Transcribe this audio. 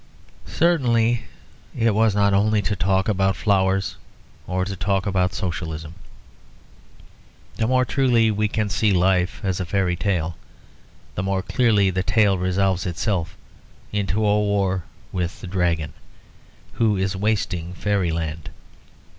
Certainly it was not only to talk about flowers or to talk about Socialism. The more truly we can see life as a fairy tale, the more clearly the tale resolves itself into war with the Dragon who is wasting fairyland.